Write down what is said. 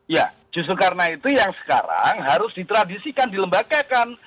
ya justru karena itu yang sekarang harus ditradisikan dilembagakan